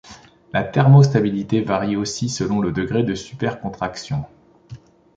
La thermostabilité varie aussi selon le degré de supercontraction.